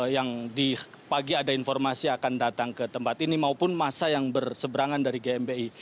yang di pagi ada informasi akan datang ke tempat ini maupun masa yang berseberangan dari gmi